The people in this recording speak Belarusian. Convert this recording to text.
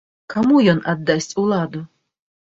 Каму ён аддасць уладу?